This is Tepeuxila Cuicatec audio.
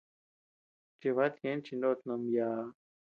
Chibatu ñéʼen chinót no ama yââ.